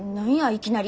いきなり。